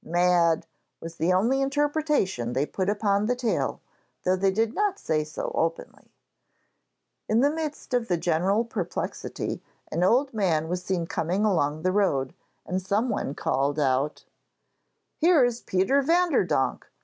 'Mad!' was the only interpretation they put upon the tale, though they did not say so openly. In the midst of the general perplexity an old man was seen coming along the road, and someone called out: 'Here is Peter Vanderdonk!